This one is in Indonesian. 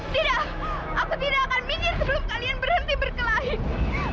tidak aku tidak akan minggir sebelum kalian berhenti berkelahi